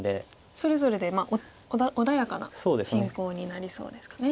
それぞれで穏やかな進行になりそうですかね。